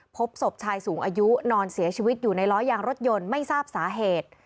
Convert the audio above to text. พบศพชายสูงอายุนอนเสียชีวิตอยู่ในล้อยางรถยนต์ไม่ทราบสาเหตุ